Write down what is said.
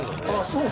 そう